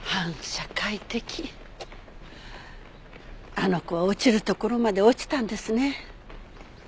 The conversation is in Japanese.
あの子は落ちるところまで落ちたんですね。